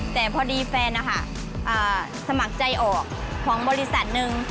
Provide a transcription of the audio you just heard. แต่พอดีแฟนนะคะสมัครใจออกของบริษัทหนึ่ง